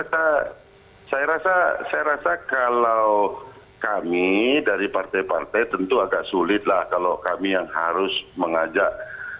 ya saya rasa kalau kami dari partai partai tentu agak sulit lah kalau kami yang harus mengajak